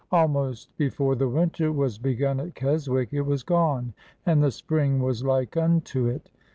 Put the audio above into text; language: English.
Almost before the winter was begun at Keswick it was gone, and the spring was like unto it.